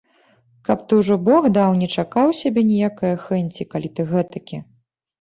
Каб ты ўжо, бог даў, не чакаў сябе ніякае хэнці, калі ты гэтакі.